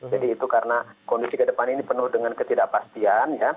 jadi itu karena kondisi ke depan ini penuh dengan ketidakpastian